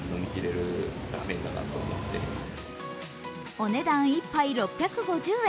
お値段１杯６５０円。